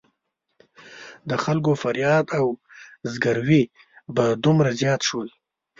د خلکو فریاد او زګېروي به دومره زیات شول.